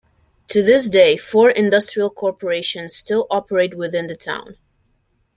To this day, four industrial corporations still operate within the town.